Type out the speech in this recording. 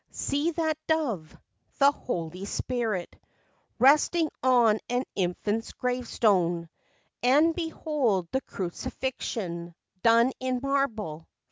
See that dove !" the holy spirit," Resting on an infant's grave stone; And, behold, the crucifixion, Done in marble!